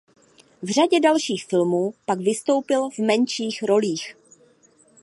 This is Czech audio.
V řadě dalších filmů pak vystoupil v menších rolích.